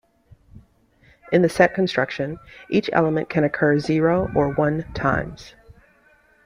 In the set construction, each element can occur zero or one times.